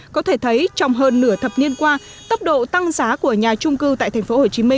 có thể thấy trong hơn nửa thập niên qua tốc độ tăng giá của nhà trung cư tại tp hcm